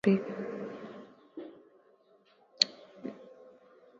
Njia ya kudhibiti homa ya mapafu ni kuwatenga wanyama walioathirika na ambao hawajaathirika